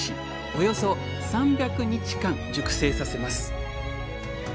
およそ３００日間熟成させます。